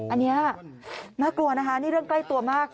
อันนี้น่ากลัวนะคะนี่เรื่องใกล้ตัวมาก